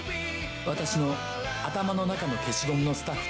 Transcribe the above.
『私の頭の中の消しゴム』のスタッフと。